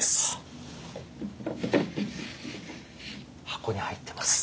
箱に入ってます。